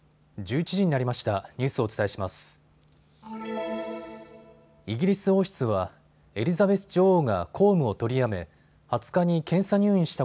１１時になりました。